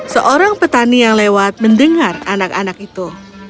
seorang petani yang lewat mendengar anak anak itu